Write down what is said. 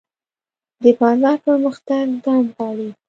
د بازار پرمختګ دوام غواړي.